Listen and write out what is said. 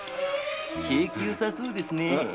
景気よさそうですね。